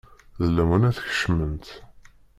D lawan ad tkecmemt.